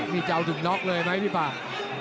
นี่จะเอาถึงน็อกเลยไหมพี่ป่า